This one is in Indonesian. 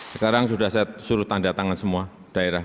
sekarang sudah saya suruh tanda tangan semua daerah